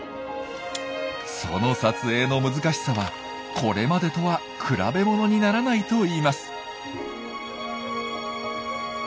その撮影の難しさはこれまでとは比べものにならないといいます。